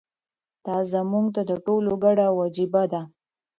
دا زموږ د ټولو ګډه وجیبه ده.